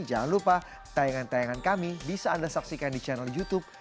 jangan lupa tayangan tayangan kami bisa anda saksikan di channel youtube